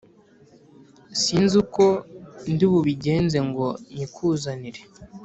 sinzi uko ndibubigenze ngo nyikuzanire